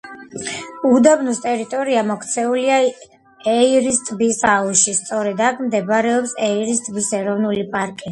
უდაბნოს ტერიტორია მოქცეულია ეირის ტბის აუზში, სწორედ აქ მდებარეობს ეირის ტბის ეროვნული პარკი.